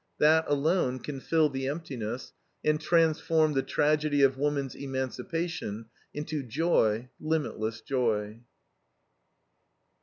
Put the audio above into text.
That alone can fill the emptiness, and transform the tragedy of woman's emancipation into joy, limitless joy.